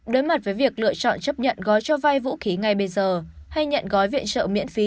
đối mặt với việc lựa chọn chấp nhận gói cho vay vũ khí ngay bây giờ hay nhận gói viện trợ miễn phí